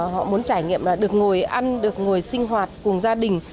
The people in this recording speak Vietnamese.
họ muốn trải nghiệm là được ngồi ăn được ngồi sinh hoạt cùng gia đình